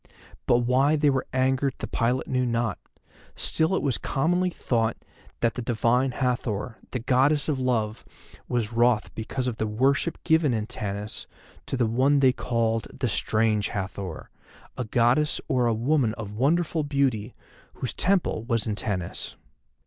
But why they were angered the pilot knew not, still it was commonly thought that the Divine Hathor, the Goddess of Love, was wroth because of the worship given in Tanis to one they called THE STRANGE HATHOR, a goddess or a woman of wonderful beauty, whose Temple was in Tanis.